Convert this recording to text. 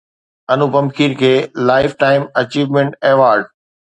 انوپم کير کي lifetime achievement award